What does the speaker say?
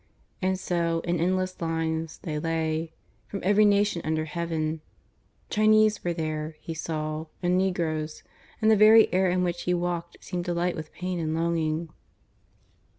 ... And so, in endless lines, they lay; from every nation under heaven: Chinese were there, he saw, and negroes; and the very air in which he walked seemed alight with pain and longing.